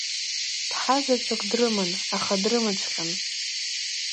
Ԥҳа-заҵәык дрыман, аха дрымаҵәҟьан…